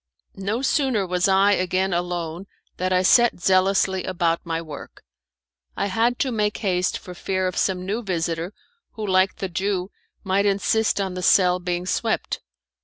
No sooner was I again alone than I set zealously about my work. I had to make haste for fear of some new visitor, who, like the Jew, might insist on the cell being swept.